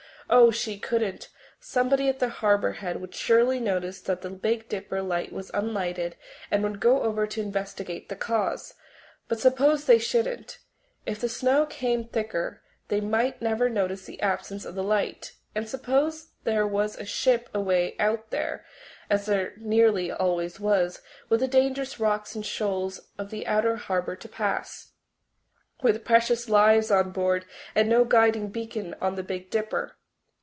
Oh, she couldn't! Somebody at the Harbour Head would surely notice that the Big Dipper light was unlighted and would go over to investigate the cause. But suppose they shouldn't? If the snow came thicker they might never notice the absence of the light. And suppose there was a ship away out there, as there nearly always was, with the dangerous rocks and shoals of the outer harbour to pass, with precious lives on board and no guiding beacon on the Big Dipper.